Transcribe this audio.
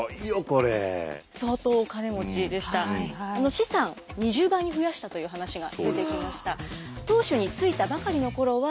資産２０倍に増やしたという話が出てきました。